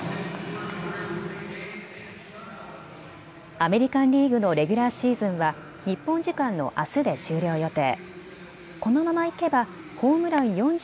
アメリカンリーグのレギュラーシーズンは日本時間のあすで終了予定。